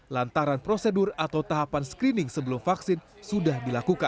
lantaran prosedur atau tahapan screening sebelum vaksin sudah dilakukan